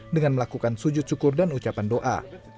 dengan melakukan sujud syukur dan ucapan doa